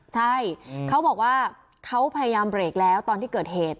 ใช่เขาบอกว่าเขาพยายามเบรกแล้วตอนที่เกิดเหตุ